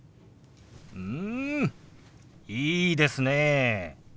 うんいいですねえ。